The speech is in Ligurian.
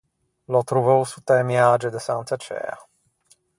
L’ò trovou sott’a-e Miage de Santa Ciæa.